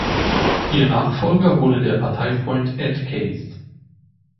Ihr Nachfolger wurde der Parteifreund Ed Case.